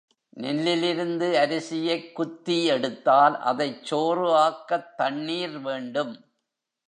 நெல்லிலிருந்து அரிசியைக் குத்தி எடுத்தால் அதைச் சோறு ஆக்கத் தண்ணீர் வேண்டும்.